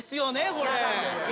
これ。